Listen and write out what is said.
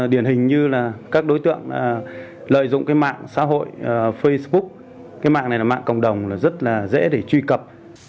điển hình như các đối tượng lợi dụng mạng xã hội facebook mạng này là mạng cộng đồng rất dễ để truy cập